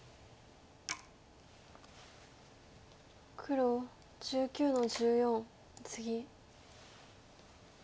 黒１９の十四ツギ。